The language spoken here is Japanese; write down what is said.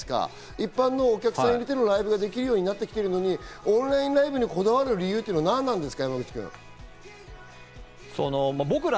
一般のお客さんを入れてのライブができるようになってきてるのにオンラインライブにこだわる理由ってなんですか？